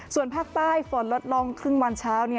ส่วนภาคใต้ฝนลดลงครึ่งวันเช้า